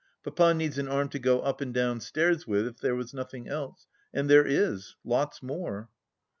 Papa needs an arm to go up and down stairs with, if there was nothing else, and there is — ^lots more.